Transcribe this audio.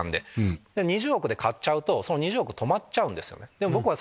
でも僕は。